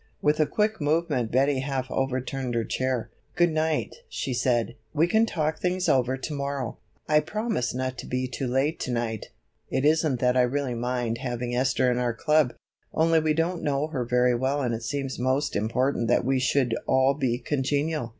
With a quick movement Betty half overturned her chair. "Good night," she said, "we can talk things over to morrow. I promised not to be too late to night. It isn't that I really mind having Esther in our club, only we don't know her very well and it seems most important that we should all be congenial."